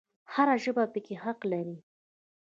هر ژبه پکې حق لري